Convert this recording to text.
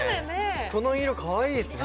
この色、かわいいですね。